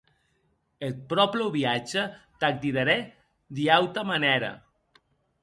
Eth pròplèu viatge t’ac diderè de ua auta manèra.